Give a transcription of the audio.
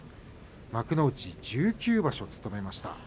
幕内を１９場所務めました。